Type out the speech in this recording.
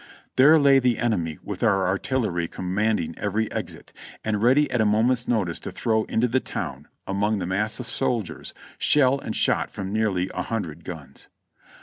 There lay the enemy with our artillery com manding every exit, and ready at a moment's notice to throw into the town, among the mass of soldiers, shell and shot from nearly a hundred guns.